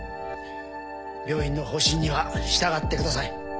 病院の方針には従ってください。